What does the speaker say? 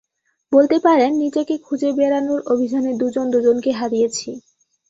বলতে পারেন, নিজেকে খুঁজে বেডানোর অভিযানে, দুজন, দুজনকে হারিয়েছি।